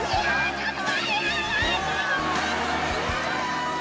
ちょっと！